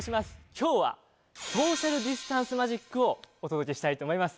今日はソーシャルディスタンスマジックをお届けしたいと思います。